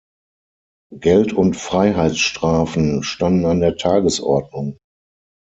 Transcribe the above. Geld- und Freiheitsstrafen standen an der Tagesordnung.